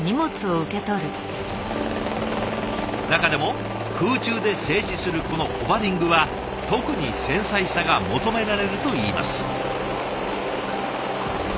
中でも空中で静止するこのホバリングは特に繊細さが求められるといいます。